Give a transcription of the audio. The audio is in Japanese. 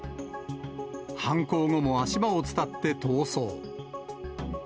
犯行後も足場を伝って逃走。